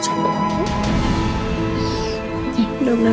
pero teman penipuan beliau jeptopelex